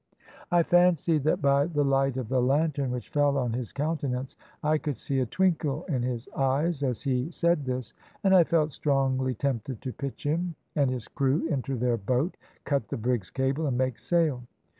"I fancied that by the light of the lantern which fell on his countenance, I could see a twinkle in his eyes as he said this, and I felt strongly tempted to pitch him and his crew into their boat, cut the brig's cable and make sail.